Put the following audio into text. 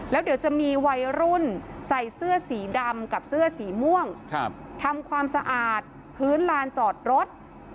แล้วเดี๋ยวจะมีวัยรุ่นใส่เสื้อสีดำกับเสื้อสีม่วงทำความสะอาดพื้นลานจอดรถ